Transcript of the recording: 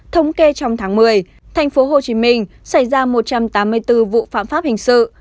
thống kê trong tháng một mươi tp hcm xảy ra một trăm tám mươi bốn vụ phạm pháp hình sự